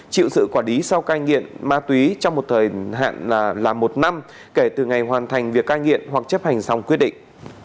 chịu sự quả đí sau ca nghiện ma túy trong một thời hạn là một năm kể từ ngày hoàn thành việc ca nghiện hoặc chấp hành xong quyết định